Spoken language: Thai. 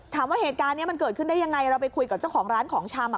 ถามว่าเหตุการณ์นี้มันเกิดขึ้นได้ยังไงเราไปคุยกับเจ้าของร้านของชำ